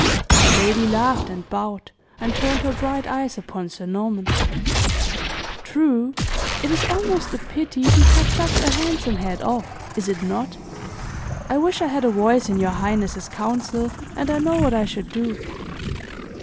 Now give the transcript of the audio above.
The lady laughed and bowed, and turned her bright eyes upon Sir Norman. "True! It is almost a pity to cut such a handsome head off is it not? I wish I had a voice in your highness's council, and I know what I should do."